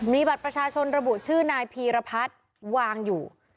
มีบัตรประชาชนระบุชื่อนายพีรพัฒน์วางอยู่